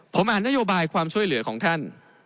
ผมอ่านนโยบายความช่วยเหลือของท่าน